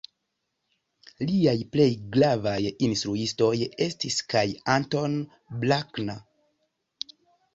Liaj plej gravaj instruistoj estis kaj Anton Bruckner.